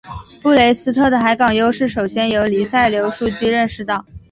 布雷斯特的海港优势首先由黎塞留枢机认识到。